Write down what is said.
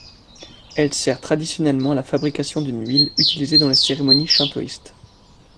Elle sert traditionnellement à la fabrication d'une huile utilisée dans les cérémonies shintoïstes.